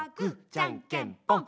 じゃんけんぽん！